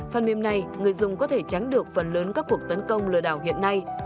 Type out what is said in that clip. phần mềm này người dùng có thể tránh được phần lớn các cuộc tấn công lừa đảo hiện nay